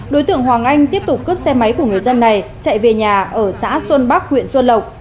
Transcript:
đối tượng hoàng anh tiếp tục cướp xe máy của người dân này chạy về nhà ở xã xuân bắc huyện xuân lộc